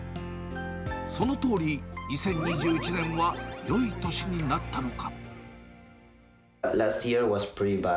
そのとおり、２０２１年はよい年になったのか。